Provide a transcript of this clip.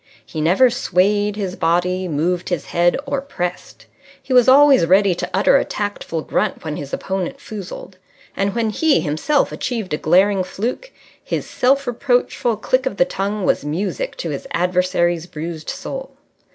He never swayed his body, moved his head, or pressed. He was always ready to utter a tactful grunt when his opponent foozled. And when he himself achieved a glaring fluke, his self reproachful click of the tongue was music to his adversary's bruised soul.